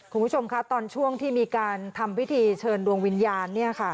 คุณผู้ชมคะตอนช่วงที่มีการทำพิธีเชิญดวงวิญญาณ